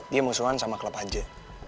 dia musuhan sama klub aje